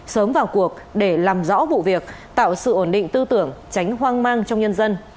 sớm vào cuộc để làm rõ vụ việc tạo sự ổn định tư tưởng tránh hoang mang trong nhân dân